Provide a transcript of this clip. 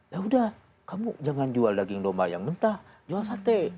ya udah kamu jangan jual daging domba yang mentah jual sate